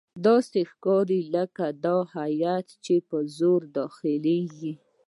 داسې ښکاري لکه دا هیات چې په زور داخليږي.